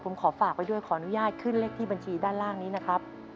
ผมขอฝากไว้ด้วยขออนุญาตขึ้นเลขที่บัญชีด้านล่างนี้นะครับ